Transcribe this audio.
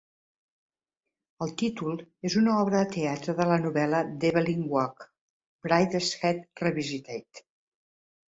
El títol és una obra de teatre de la novel·la d'Evelyn Waugh "Brideshead Revisited".